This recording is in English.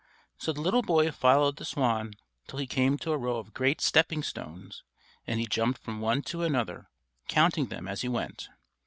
So the little boy followed the swan till he came to a row of great stepping stones, and he jumped from one to another, counting them as he went.